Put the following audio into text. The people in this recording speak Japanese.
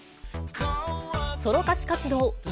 ソロ歌手活動